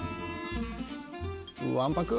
わんぱく。